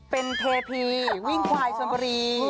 เป็นเทพีวิ่งควายชนบุรี